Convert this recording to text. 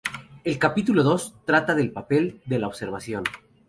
El capítulo dos, trata del papel de la observación.